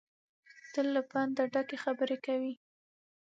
تل له پنده ډکې خبرې کوي.